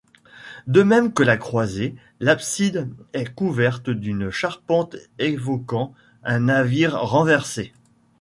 De même que la croisée, l'abside est couverte d'une charpente évoquant un navire renversé.